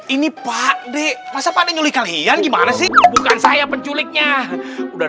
ini pak dek pasal pada nyulih kalian gimana sih bukan saya penculiknya udah